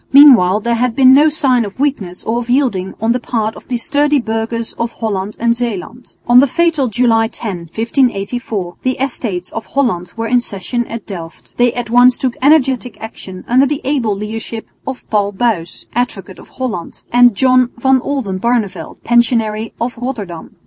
Meanwhile there had been no signs of weakness or of yielding on the part of the sturdy burghers of Holland and Zeeland. On the fatal July 10, 1584, the Estates of Holland were in session at Delft. They at once took energetic action under the able leadership of Paul Buys, Advocate of Holland, and John van Oldenbarneveldt, Pensionary of Rotterdam.